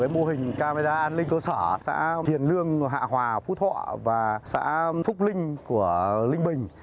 mô hình camera an ninh cơ sở xã hiền lương hạ hòa phú thọ và xã phúc linh của linh bình